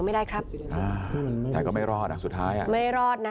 สวัสดีครับศาลเกาหลีพูดว่าไงน่ะ